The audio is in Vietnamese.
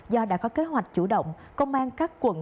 do đã có kế hoạch chủ động công an các quận